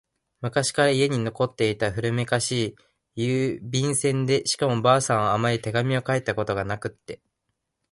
昔から家に残っていた古めかしい、便箋でしかも婆さんはあまり手紙を書いたことがなくって……